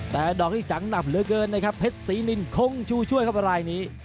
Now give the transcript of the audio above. แต่ดอกนี้จังหนับเหลือเกินนะครับเพชรศรีนินคงชูช่วยครับรายนี้